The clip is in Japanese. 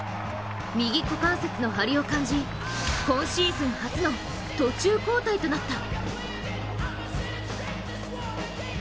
右股関節の張りを感じ、今シーズン初の途中交代となった。